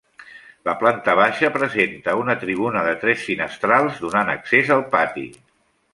La planta baixa presenta una tribuna de tres finestrals, donant accés al pati.